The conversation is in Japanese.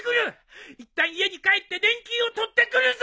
いったん家に帰って年金を取ってくるぞ！